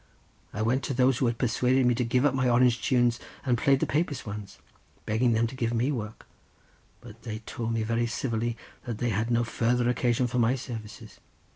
I went to those who had persuaded me to give up my Orange tunes, and to play Papist ones, begging them to give me work; but they tould me very civilly that they had no farther occasion for my services.